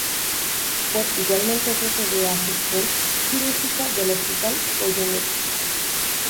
Fue igualmente jefe de a sección quirúrgica del Hospital Goyeneche.